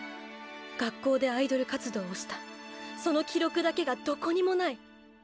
学校でアイドル活動をしたその記録だけがどこにもない。